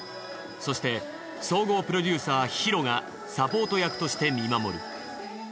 そして総合プロデューサーＨＩＲＯがサポート役として見守る。